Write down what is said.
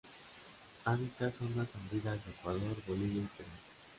Habita zonas andinas de Ecuador, Bolivia y Perú.